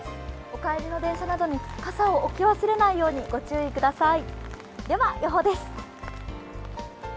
お帰りの電車などに、傘を置き忘れないように、ご注意ください。